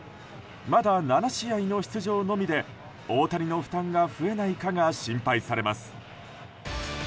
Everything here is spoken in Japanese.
まだ７試合の出場のみで大谷の負担が増えないかが心配されます。